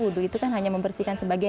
wudhu itu kan hanya membersihkan sebagai